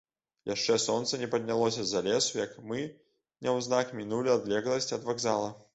Яшчэ сонца не паднялося з-за лесу, як мы няўзнак мінулі адлегласць ад вакзала.